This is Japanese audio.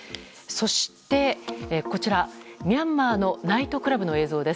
そして、こちらミャンマーのナイトクラブの映像です。